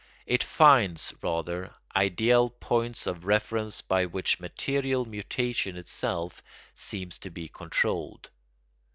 It finds, rather, ideal points of reference by which material mutation itself seems to be controlled.